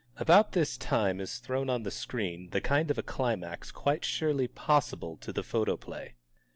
About this time is thrown on the screen the kind of a climax quite surely possible to the photoplay.